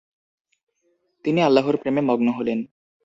তিনি আল্লাহ্র প্রেমে মগ্ন হলেন।